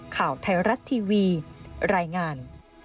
ข่าวไทยรัฐทีวีรายงาน